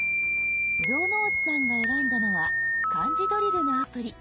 城之内さんが選んだのは漢字ドリルのアプリ。